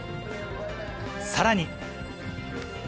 さらに。